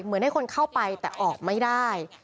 เหมือนให้คนเข้าไปแต่ออกไม่ได้